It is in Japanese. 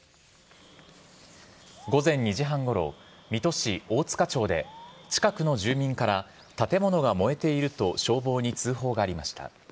午前２時半ごろ、水戸市大塚町で近くの住民から、建物が燃えていると消防に通報がありました。